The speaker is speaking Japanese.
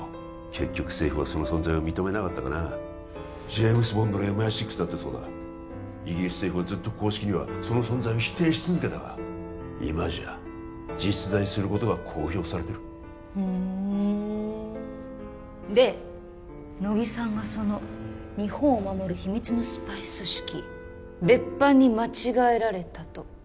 結局政府はその存在を認めなかったがなジェームズ・ボンドのＭＩ６だってそうだイギリス政府はずっと公式にはその存在を否定し続けたが今じゃ実在することが公表されてるふんで乃木さんがその日本を守る秘密のスパイ組織別班に間違えられたと？